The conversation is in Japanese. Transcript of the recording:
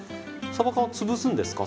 さば缶は潰すんですか？